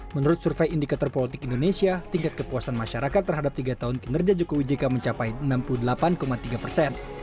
menurut survei indikator politik indonesia tingkat kepuasan masyarakat terhadap tiga tahun kinerja jokowi jk mencapai enam puluh delapan tiga persen